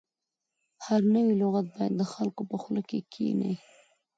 هر نوی لغت باید د خلکو په خوله کې کښیني.